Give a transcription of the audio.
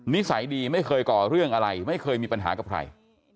นิสัยดีไม่เคยก่อเรื่องอะไรไม่เคยมีปัญหากับใคร